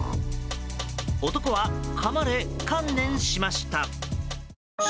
男はかまれ、観念しました。